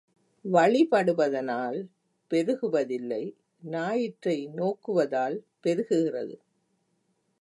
வழிபடுவதனால் பெருகுவதில்லை ஞாயிற்றை நோக்குவதால் பெருகுகிறது.